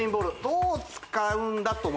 どう使うんだと思います？